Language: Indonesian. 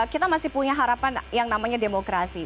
kita masih punya harapan yang namanya demokrasi